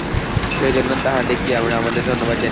সেজন্য তাঁহাদিগকে আমরা আমাদের ধন্যবাদ জানাইতেছি।